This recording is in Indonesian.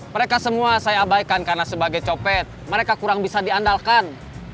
mereka semua saya abaikan karena sebagai copet mereka kurang bisa diandalkan